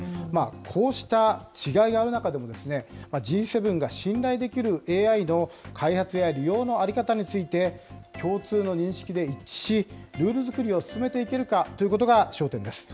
こうした違いがある中でもですね、Ｇ７が信頼できるＡＩの開発や利用の在り方について、共通の認識で一致し、ルール作りを進めていけるかということが焦点です。